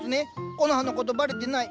コノハのことバレてない。